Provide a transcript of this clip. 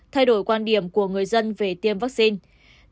thay đổi quan điểm của người dân về tiêm vaccine